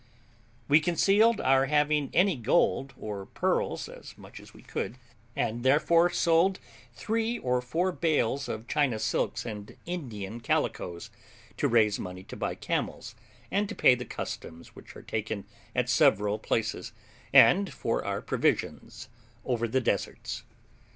We concealed our having any gold or pearls as much as we could, and therefore sold three or four bales of China silks and Indian calicoes, to raise money to buy camels and to pay the customs which are taken at several places, and for our provisions over the deserts.